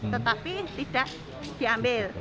tetapi tidak diambil